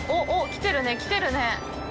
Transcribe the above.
来てるね、来てるね。